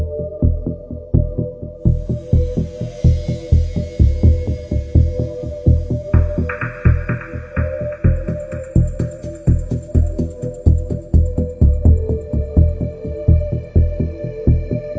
โปรดติดตามตอนต่อไป